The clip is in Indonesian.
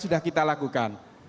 sudah kita lakukan